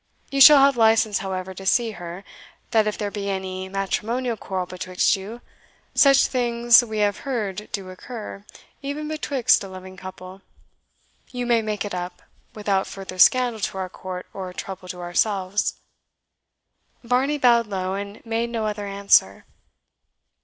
You shall have license, however, to see her, that if there be any matrimonial quarrel betwixt you such things we have heard do occur, even betwixt a loving couple you may make it up, without further scandal to our court or trouble to ourselves." Varney bowed low, and made no other answer.